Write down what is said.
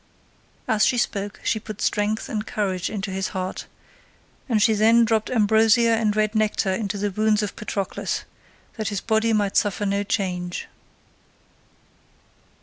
As she spoke she put strength and courage into his heart, and she then dropped ambrosia and red nectar into the wounds of Patroclus, that his body might suffer no change.